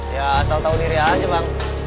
ya asal tahu diri aja bang